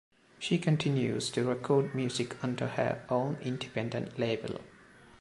She continues to record music under her own independent label.